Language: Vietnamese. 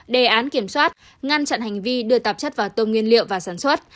đề án kiểm soát ngăn chặn hành vi đưa tạp chất vào tôm nguyên liệu vào sản xuất